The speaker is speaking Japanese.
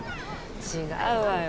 違うわよ